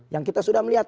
yang kita sudah melihat